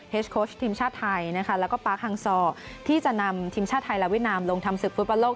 โค้ชทีมชาติไทยนะคะแล้วก็ปาร์คฮังซอร์ที่จะนำทีมชาติไทยและเวียดนามลงทำศึกฟุตบอลโลก